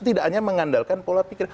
tidak hanya mengandalkan pola pikir